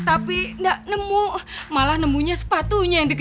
adam kamu udah makan belum